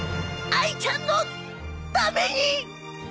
あいちゃんのために！